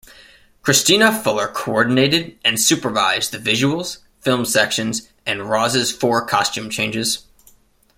Kristina Fuller coordinated and supervised the visuals, film sections and Rozz's four costume changes.